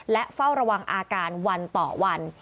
และเฝ้าระวังอาการวันต่อวัน